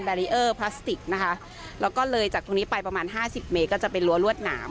รีเออร์พลาสติกนะคะแล้วก็เลยจากตรงนี้ไปประมาณห้าสิบเมตรก็จะเป็นรั้วรวดหนาม